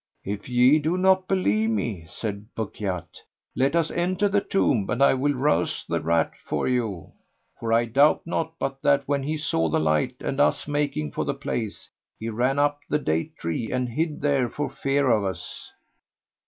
"If ye do not believe me," said Bukhayt, "let us enter the tomb and I will rouse the rat for you; for I doubt not but that, when he saw the light and us making for the place, he ran up the date tree and hid there for fear of us."